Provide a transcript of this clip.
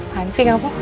apaan sih kamu